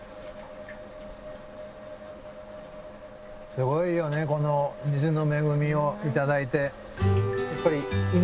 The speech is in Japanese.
すごいよねこの水の恵みを頂いて。